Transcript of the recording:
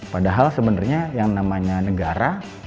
padahal sebenarnya yang namanya negara